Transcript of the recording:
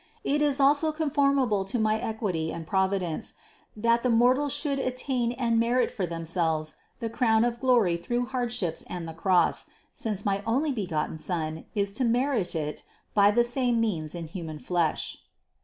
It is also conformable to my equity and providence, that the mortals should attain and merit for themselves the crown of glory through hardships and the cross, since my onlybegotten Son is to merit it by the same means THE CONCEPTION 515 in human flesh.